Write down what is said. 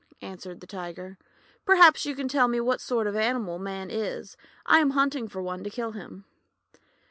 answered the Tiger. "Perhaps you can tell me what sort of an animal Man is. I am hunting for one to kill him."